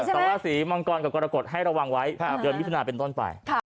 แต่ว่าสีมังกรกับกรกฎให้ระวังไว้เดือนมิถุนาเป็นต้นไป